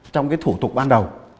trong cái thủ tục ban đầu